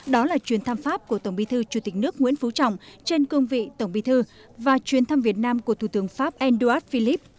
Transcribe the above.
đó là chuyến thăm pháp của tổng bí thư chủ tịch nước nguyễn phú trọng trên cương vị tổng bí thư và chuyến thăm việt nam của thủ tướng pháp endouard philip